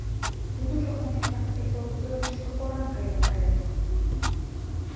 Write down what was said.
Тудыжо ончычак эсогыл ӧрдыжкӧ кораҥ каен ыле.